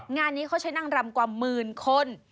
งานนี้เขาใช้นางรำกว่าหมื่นคน